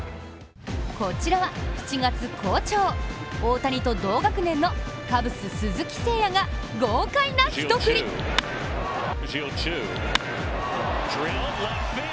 こちら７月好調、大谷と同学年のカブス・鈴木誠也が豪快な一発。